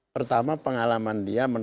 pertama pengalaman dia